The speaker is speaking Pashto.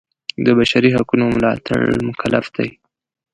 د بشري حقونو د ملاتړ مکلف دی.